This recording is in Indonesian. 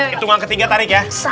hitungan ketiga tarik ya